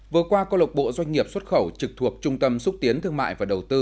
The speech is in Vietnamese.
vừa qua công lộc bộ doanh nghiệp xuất khẩu trực thuộc trung tâm xúc tiến thương mại và đầu tư